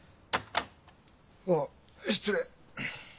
あっ失礼。